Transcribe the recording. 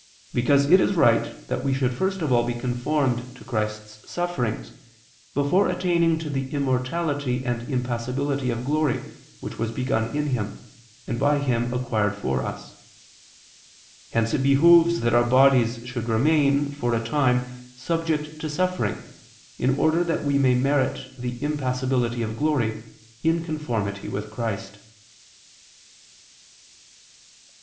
Because it is right that we should first of all be conformed to Christ's sufferings, before attaining to the immortality and impassibility of glory, which was begun in Him, and by Him acquired for us. Hence it behooves that our bodies should remain, for a time, subject to suffering, in order that we may merit the impassibility of glory, in conformity with Christ.